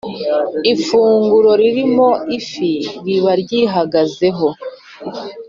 Ifunguro ririmo ifi riba ryihagazeho!